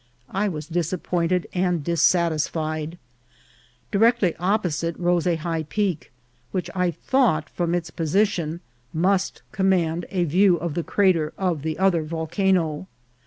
I was disappointed and dissatisfied. Directly opposite rose a high peak, which I thought, from its position, must command a view of the crater of the other volca no.